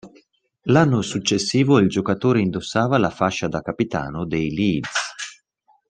L'anno successivo il giocatore indossava la fascia da capitano dei Leeds.